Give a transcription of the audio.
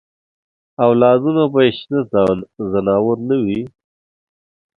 اولادونه به یې شنه ځناور نه وي.